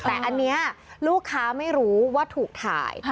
แต่อันนี้ลูกค้าไม่รู้ว่าถูกถ่าย